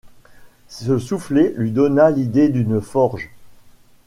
Ce soufflet lui donna l’idée d’une forge.